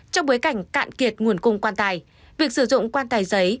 trong bối cảnh cạn kiệt nguồn cung quan tài việc sử dụng quan tài giấy